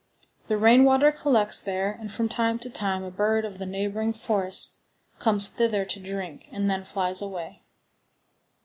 The rain water collects there, and from time to time a bird of the neighboring forests comes thither to drink, and then flies away.